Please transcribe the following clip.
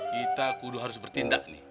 kita kudu harus bertindak nih